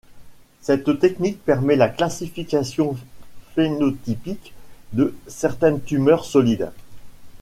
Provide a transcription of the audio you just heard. Cette technique permet la classification phénotypique de certaines tumeurs solides.